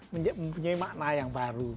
mempunyai makna yang baru